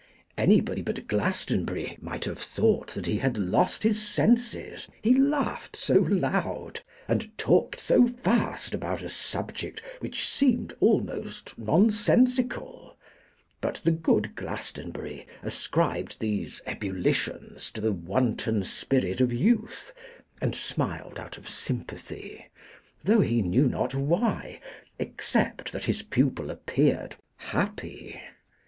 Anybody but Glastonbury might have thought that he had lost his senses, he laughed so loud, and talked so fast about a subject which seemed almost nonsensical; but the good Glastonbury ascribed these ebullitions to the wanton spirit of youth, and smiled out of sympathy, though he knew not why, except that his pupil appeared happy.